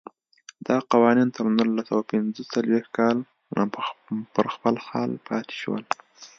دا قوانین تر نولس سوه پنځه څلوېښت کاله پر خپل حال پاتې شول.